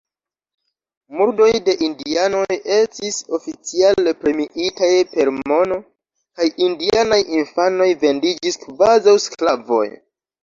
Murdoj de indianoj estis oficiale premiitaj per mono, kaj indianaj infanoj vendiĝis kvazaŭ sklavoj.